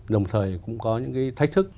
đồng thời cũng có những cái thách thức